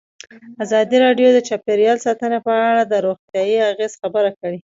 ازادي راډیو د چاپیریال ساتنه په اړه د روغتیایي اغېزو خبره کړې.